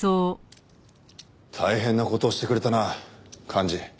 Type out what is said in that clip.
大変な事をしてくれたな寛二。